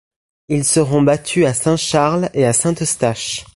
Ils seront battus à Saint-Charles et à Saint-Eustache.